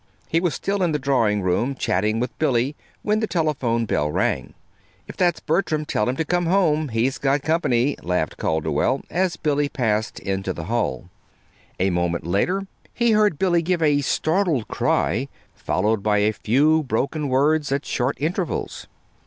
He was still in the drawing room, chatting with Billy, when the telephone bell rang. "If that's Bertram, tell him to come home; he's got company," laughed Calderwell, as Billy passed into the hall. A moment later he heard Billy give a startled cry, followed by a few broken words at short intervals.